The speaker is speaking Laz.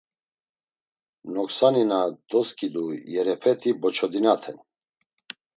Noksani na doskidu yerepeti boçodinaten.